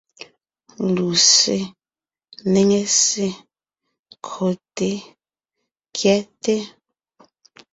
Lussé, néŋe ssé, kÿote, kyɛ́te.